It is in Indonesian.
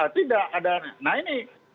tidak ada nah ini